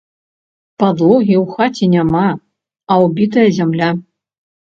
Падлогі ў хаце няма, а ўбітая зямля.